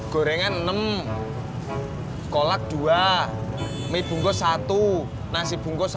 gorengan enam kolak dua mie bungkus satu nasi bungkus